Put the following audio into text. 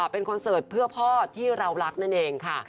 เป็นคอนเสิร์ตเพื่อพ่อที่เรารักนั่นเองค่ะ